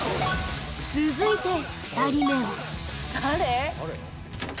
続いて２人目は誰？